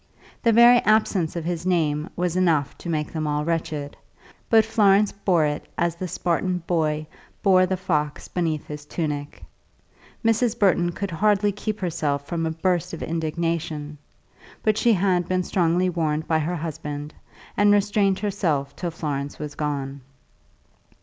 The very absence of his name was enough to make them all wretched, but Florence bore it as the Spartan boy bore the fox beneath his tunic. Mrs. Burton could hardly keep herself from a burst of indignation; but she had been strongly warned by her husband, and restrained herself till Florence was gone.